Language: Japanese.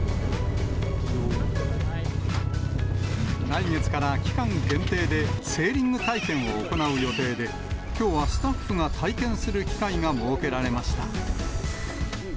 来月から期間限定でセーリング体験を行う予定で、きょうはスタッフが体験する機会が設けられました。